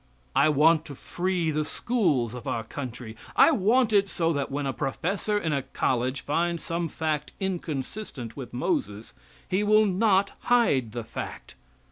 I want to free the schools of our country. I want it so that when a professor in a college finds some fact inconsistent with Moses, he will not hide the fact.